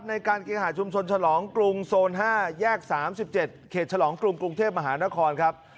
ในการเคหาชุมชนฉลองกรุงโซน๕แยก๓๗เขตฉลองกรุงกรุงเทพมหานครครับ